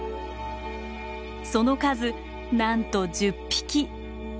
その数なんと１０匹。